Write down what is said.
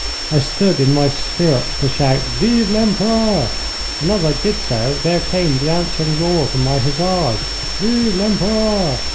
I stood in my stirrups to shout 'Vive l'Empereur!' and as I did so, there came the answering roar from my hussars, 'Vive l'Empereur!'